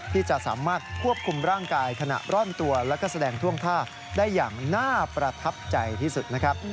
ที่จะสามารถควบคุมร่างกายขณะร่อนตัวและก็แสดงท่วงท่าได้อย่างน่าประทับใจที่สุดนะครับ